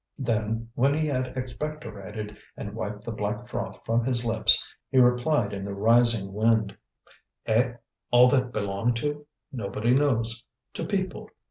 Then, when he had expectorated and wiped the black froth from his lips, he replied in the rising wind: "Eh? all that belong to? Nobody knows. To people."